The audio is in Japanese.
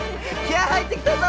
気合入ってきたぞ！